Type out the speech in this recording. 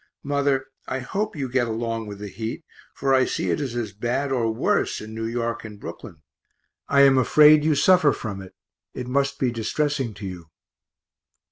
Mother, I hope you get along with the heat, for I see it is as bad or worse in New York and Brooklyn I am afraid you suffer from it; it must be distressing to you.